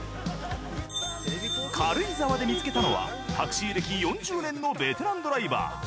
軽井沢で見つけたのはタクシー歴４０年のベテランドライバー。